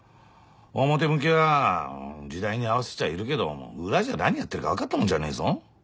表向きは時代に合わせちゃいるけど裏じゃ何やってるか分かったもんじゃねえぞ。